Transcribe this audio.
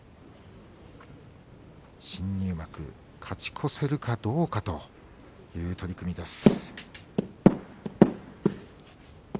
新入幕勝ち越せるかどうかという取組です。